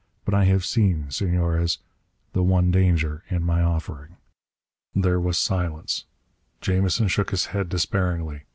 But I have seen, Senores, the one danger in my offering." There was silence. Jamison shook his head despairingly.